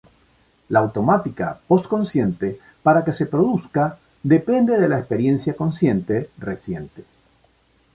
La automática post-consciente, para que se produzca, depende de la experiencia consciente reciente.